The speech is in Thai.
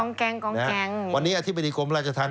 กองแกงอย่างนี้วันนี้อธิบดิ์กรมราชธรรม